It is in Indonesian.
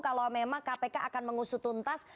kalau memang kpk akan mengusutuntas